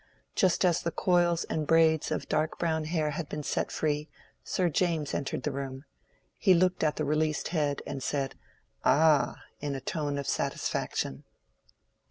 Just as the coils and braids of dark brown hair had been set free, Sir James entered the room. He looked at the released head, and said, "Ah!" in a tone of satisfaction.